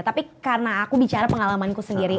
tapi karena aku bicara pengalamanku sendiri